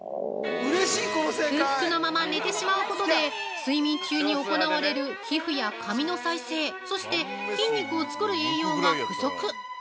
◆空腹のまま寝てしまうことで睡眠中に行われる皮膚や髪の再生そして筋肉を作る栄養が不足。